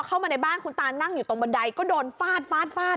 เข้ามาในบ้านคุณตานั่งอยู่ตรงบันไดก็โดนฟาดฟาดฟาด